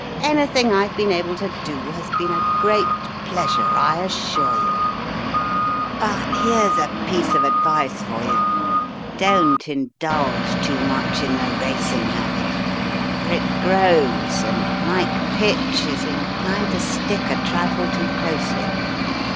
Anything I've been able to do has been a great pleasure, I assure you. But here's a piece of advice for you. Don't indulge too much in the 808 The Riddle of the Purple Emperor racing habit, for it grows and, like pitch, is inclined to stick a trifle too closely.